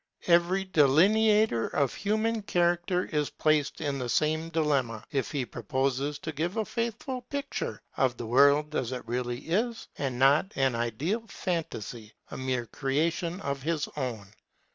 Every delineator of human character is placed in the same dilemma if he proposes to give a faithful picture of the world as it really is, and not an ideal phantasy, a mere creation of his own.